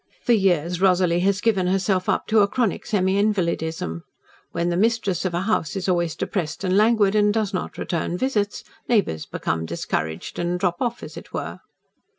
For years Rosalie has given herself up to a chronic semi invalidism. When the mistress of a house is always depressed and languid and does not return visits, neighbours become discouraged and drop off, as it were."